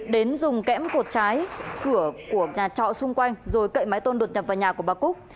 đến dùng kẽm cột trái cửa của nhà trọ xung quanh rồi cậy máy tôn đột nhập vào nhà của bà cúc